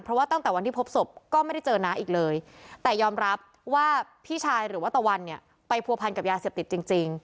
เพราะว่าตั้งแต่วันที่พบศพก็ไม่ได้เจอน้าอีกเลยแต่ยอมรับว่าพี่ชายหรือว่าตะวันเนี่ยไปผัวพันกับยาเสพติดจริง